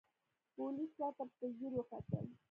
پوليس راته په ځير وکتل.